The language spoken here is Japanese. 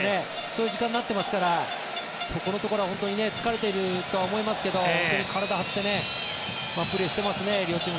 そういう時間になってますからそこのところは本当に疲れてるとは思いますけど体を張って両チームの選手プレーしていますね。